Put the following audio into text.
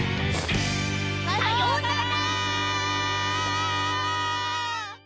さようなら！